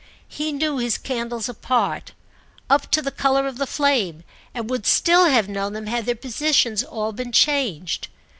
He knew his candles apart, up to the colour of the flame, and would still have known them had their positions all been changed.